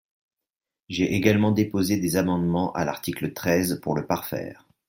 J’ai également déposé des amendements à l’article treize pour le parfaire.